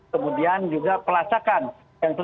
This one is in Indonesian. kemudian juga pelacakan yang